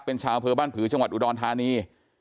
เป็นชาวอำเภอบ้านผือจังหวัดอุดรธานี